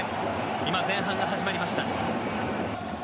今、前半が始まりました。